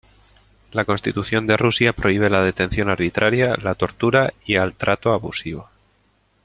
La constitución de Rusia prohíbe la detención arbitraria, la tortura y al trato abusivo.